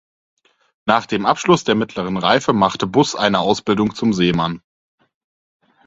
Nach dem Abschluss der Mittleren Reife machte Buß eine Ausbildung zum Seemann.